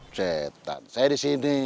setan saya di sini